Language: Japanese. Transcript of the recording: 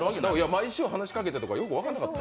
毎週話しかけてとかよく分かんなかった。